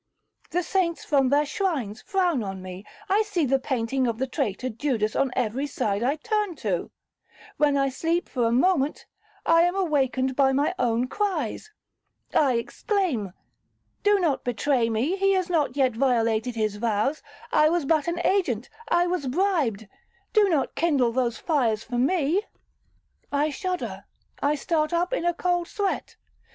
The saints from their shrines frown on me,—I see the painting of the traitor Judas on every side I turn to. When I sleep for a moment, I am awakened by my own cries. I exclaim, 'Do not betray me, he has not yet violated his vows, I was but an agent,—I was bribed,—do not kindle those fires for me.' I shudder,—I start up in a cold sweat.